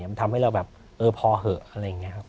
มันทำให้เราแบบเออพอเหอะอะไรอย่างนี้ครับ